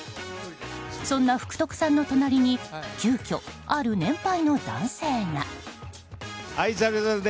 そんな福徳さんの隣に急きょある年配の男性が。